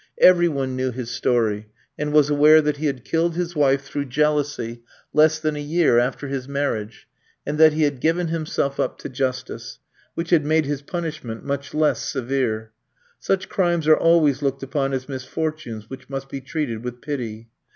Every one knew his story, and was aware that he had killed his wife, through jealousy, less than a year after his marriage; and that he had given himself up to justice; which had made his punishment much less severe. Such crimes are always looked upon as misfortunes, which must be treated with pity.